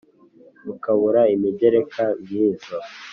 Rukabura imigereka nk'izo